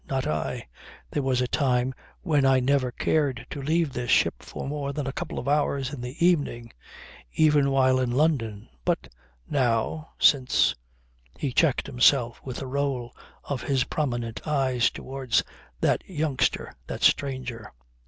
Not I. There was a time when I never cared to leave this ship for more than a couple of hours in the evening, even while in London, but now, since " He checked himself with a roll of his prominent eyes towards that youngster, that stranger.